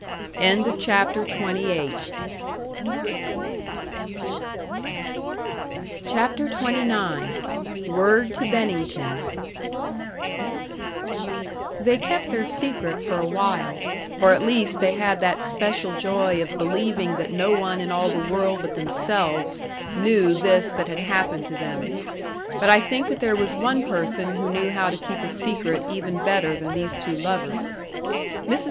XXIX. WORD TO BENNINGTON They kept their secret for a while, or at least they had that special joy of believing that no one in all the world but themselves knew this that had happened to them. But I think that there was one person who knew how to keep a secret even better than these two lovers. Mrs.